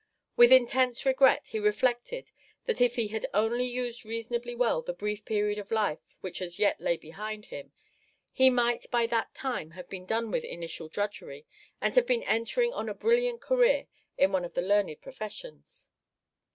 With intense regret he reflected that if he had only used reasonably well the brief period of life which as yet lay behind him, he might by that time have been done with initial drudgery and have been entering on a brilliant career in one of the learned professions.